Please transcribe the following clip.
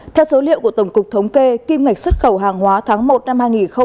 theo số liệu của tổng cục thống kê kim ngạch xuất khẩu hàng hóa tháng một năm hai nghìn hai mươi